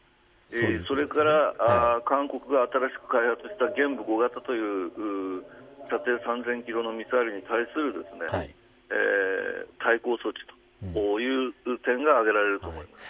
それから韓国が新しく開発した玄武５型という射程３０００キロのミサイルに対する対抗措置という点が挙げられると思います。